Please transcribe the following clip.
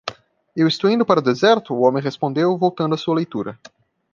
"Eu estou indo para o deserto?" o homem respondeu? voltando a sua leitura.